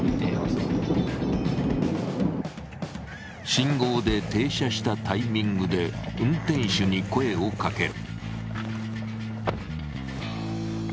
信号で停車したタイミングで運転手に声をかける。